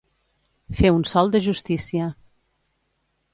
Fer un sol de justícia.